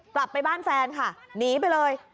กลับไปบ้านแฟนค่ะหนีไปเลย